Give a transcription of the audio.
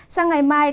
sáng ngày mai